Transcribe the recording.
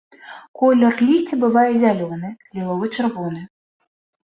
Колер лісця бывае зялёны, ліловы-чырвоны.